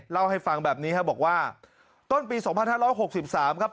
เล่าให้ฟังแบบนี้ครับบอกว่าต้นปี๒๕๖๓ครับ